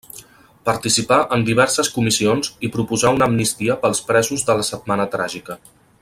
Participà en diverses comissions i proposà una amnistia pels presos de la Setmana Tràgica.